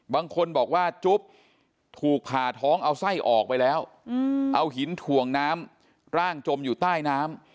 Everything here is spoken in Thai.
บางคนบอกว่าจุ๊บถูกผ่าท้องเอาไส้ออกไปแล้วเอาหินถ่วงน้ำร่างจมอยู่ใต้น้ำ